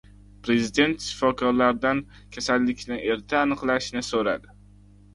Prezident shifokorlardan kasallikni erta aniqlashni so‘radi